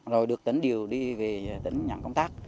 rồi được tấn điều đi về tấn nhận công tác